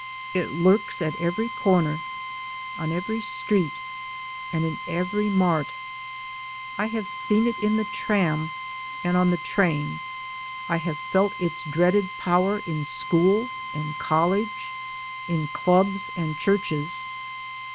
It lurks at every corner, on every street and in every mart. I have seen it in the tram and on the train ; I have felt its dreaded power in school and college, in clubs and churches.